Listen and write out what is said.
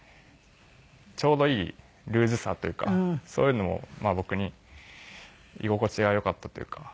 ちょうどいいルーズさというかそういうのも僕に居心地がよかったというか。